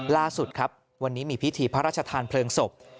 ล่าสุดครับวันนี้มีพิธีพระราชทานเพลิงศพ